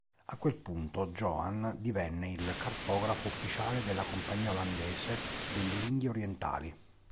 A quel punto Joan divenne il cartografo ufficiale della Compagnia Olandese delle Indie Orientali.